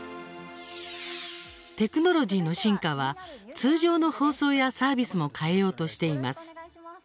テクノロジーの進化は通常の放送やサービスも変えようとしています。